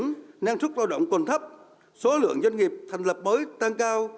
tốc độ tăng trưởng năng suất lao động còn thấp số lượng doanh nghiệp thành lập mới tăng cao